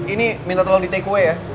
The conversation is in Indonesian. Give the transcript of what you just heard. ini minta tolong di take away ya